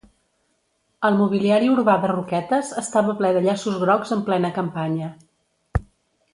El mobiliari urbà de Roquetes estava ple de llaços grocs en plena campanya